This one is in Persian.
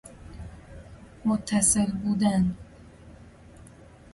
متصل بودن